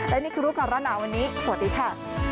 และนี่คือรูปการณาวันนี้สวัสดีค่ะ